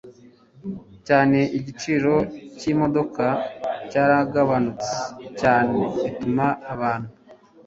cyane igiciro cy imodoka cyaragabanutse cyane bituma abantu